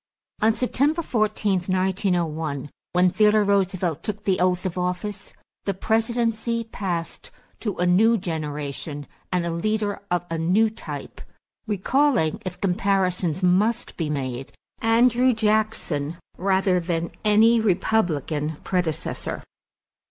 = On September 14, 1901, when Theodore Roosevelt took the oath of office, the presidency passed to a new generation and a leader of a new type recalling, if comparisons must be made, Andrew Jackson rather than any Republican predecessor.